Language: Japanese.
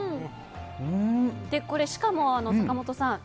しかも坂本さん